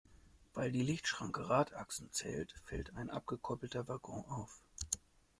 Weil die Lichtschranke Radachsen zählt, fällt ein abgekoppelter Waggon auf.